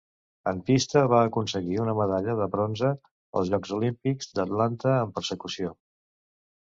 En pista va aconseguir una medalla de bronze als Jocs Olímpics d'Atlanta en persecució.